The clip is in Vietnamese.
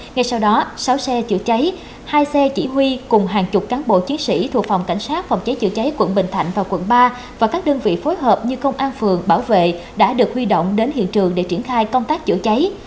ngay sau đó sáu xe chữa cháy hai xe chỉ huy cùng hàng chục cán bộ chiến sĩ thuộc phòng cảnh sát phòng cháy chữa cháy quận bình thạnh và quận ba và các đơn vị phối hợp như công an phường bảo vệ đã được huy động đến hiện trường để triển khai công tác chữa cháy